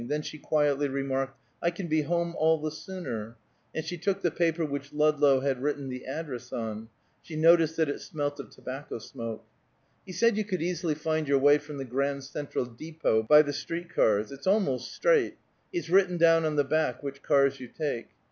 Then she quietly remarked, "I can be home all the sooner," and she took the paper which Ludlow had written the address on; she noticed that it smelt of tobacco smoke. "He said you could easily find your way from the Grand Central Depot by the street cars; it's almost straight. He's written down on the back which cars you take.